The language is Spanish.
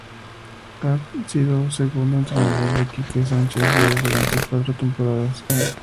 Ha sido segundo entrenador de Quique Sánchez Flores durante cuatro temporadas.